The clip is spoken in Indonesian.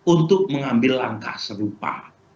untuk mengambil langkah serupa